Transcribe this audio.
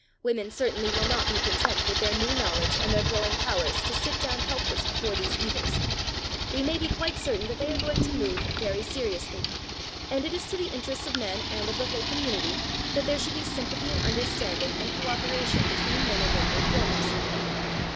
Women certainly will not be content, with their new knowledge and their growing powers, to sit down helpless before these evils. We may be quite certain that they are going to move very seriously, and it is to the interests of men and of the whole community that there should be sympathy and understanding and co operation between men and women reformers.